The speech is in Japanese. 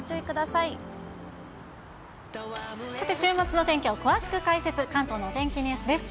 さて、週末の天気を詳しく解説、関東のお天気ニュースです。